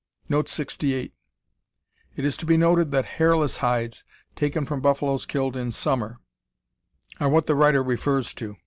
[Note 68: It is to be noted that hairless hides, taken from buffaloes killed in summer, are what the writer refers to.